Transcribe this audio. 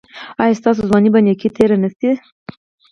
ایا ستاسو ځواني په نیکۍ تیره نه شوه؟